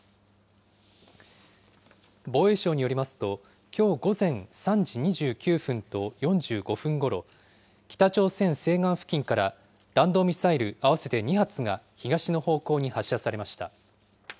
防衛省によりますと、きょう午前３時２９分と４５分ごろ、北朝鮮西岸付近から、弾道ミサイル合わせて２発が東の方向に発射されました。